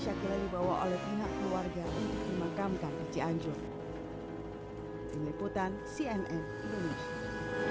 sakyla dibawa oleh pihak keluarga untuk dimakamkan ke cianjur hai meliputan cnn indonesia